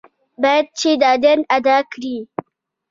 باید چې دا دین ادا کړي.